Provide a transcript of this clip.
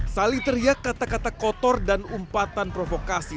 saling teriak kata kata kotor dan umpatan provokasi